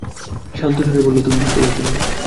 শান্ত স্বরে বলল, তুমি বুঝতে পারছ না।